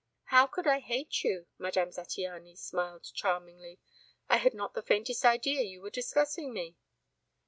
"How could I hate you?" Madame Zattiany smiled charmingly. "I had not the faintest idea you were discussing me."